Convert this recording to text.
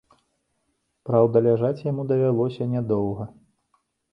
Праўда, ляжаць яму давялося нядоўга.